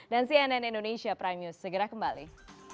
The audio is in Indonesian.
dan cnn indonesia prime news segera kembali